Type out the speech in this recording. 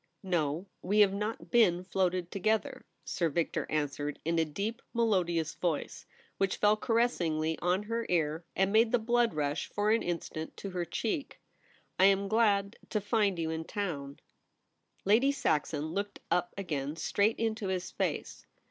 ' No, we have not been floated together,' Sir Victor answered in a deep melodious voice, which fell caressingly on her ear, and made the blood rush for an instant to ON THE TERRACE. 39 her cheek. ' I am glad to find you in town/ Lady Saxon looked up again straight into his face.